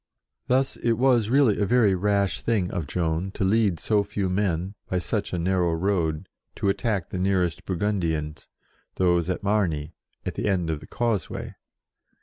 Thus it was really a very rash thing of Joan to lead so few men, by such a narrow road, to attack the nearest Bur gundians, those at Margny, at the end of the causeway.